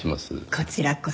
こちらこそ。